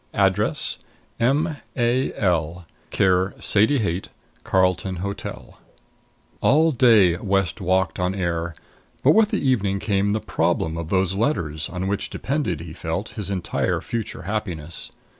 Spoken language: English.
Address: M. A. L., care Sadie Haight, Carlton Hotel. All day West walked on air, but with the evening came the problem of those letters, on which depended, he felt, his entire future happiness.